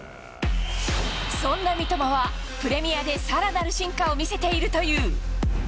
そんな三笘は、プレミアでさらなる進化を見せているという。